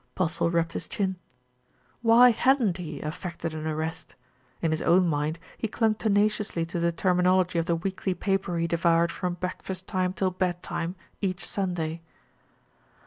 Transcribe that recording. Postle rubbed his chin. Why hadn't he "effected an arrest" ? In his own mind he clung tenaciously to the terminology of the weekly paper he devoured from breakfast time till bed time each Sunday.